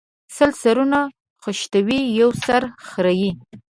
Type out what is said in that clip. سل سرونه خشتوي ، يو سر خريي